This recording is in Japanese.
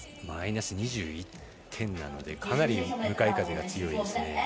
マイナス２１なのでかなり向かい風が強いですね。